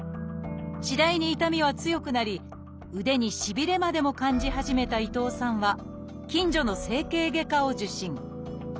次第に痛みは強くなり腕にしびれまでも感じ始めた伊藤さんは近所の整形外科を受診。